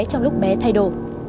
không thay à